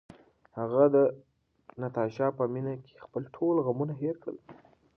هغه د ناتاشا په مینه کې خپل ټول غمونه هېر کړل.